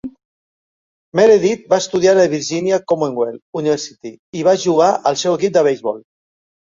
Meredith va estudiar a la Virginia Commonwealth University i va jugar al seu equip de beisbol.